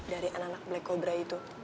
dari anak anak black cobra itu